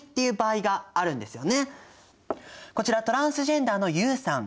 こちらトランスジェンダーのユウさん。